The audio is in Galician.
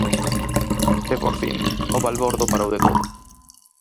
E por fin, o balbordo parou de todo.